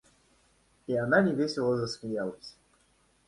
И она невесело засмеялась.